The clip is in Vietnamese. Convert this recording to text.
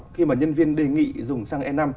khi mà nhân viên đề nghị dùng xăng e năm